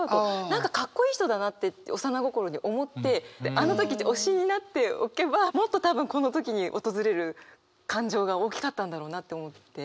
何かかっこいい人だなって幼心に思ってあの時推しになっておけばもっと多分この時に訪れる感情が大きかったんだろうなって思って。